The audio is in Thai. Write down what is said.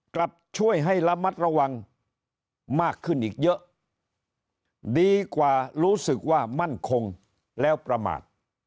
กลับช่วยให้ระมัดระวังมากขึ้นอีกเยอะดีกว่ารู้สึกว่ามั่นคงแล้วประมาท